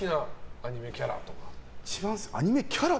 アニメキャラ。